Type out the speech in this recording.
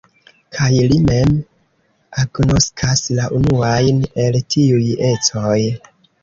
Kaj li mem agnoskas la unuajn el tiuj ecoj.